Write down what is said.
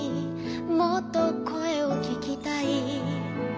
「もっとこえをききたい」